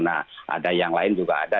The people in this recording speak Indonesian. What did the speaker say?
nah ada yang lain juga ada